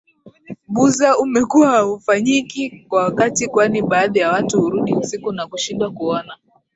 Buza umekuwa haufanyiki kwa wakati kwani baadhi ya watu hurudi usiku na kushindwa kuona